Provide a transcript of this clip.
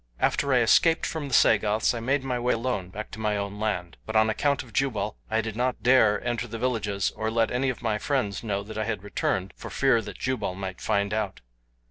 "After I escaped from the Sagoths I made my way alone back to my own land; but on account of Jubal I did not dare enter the villages or let any of my friends know that I had returned for fear that Jubal might find out.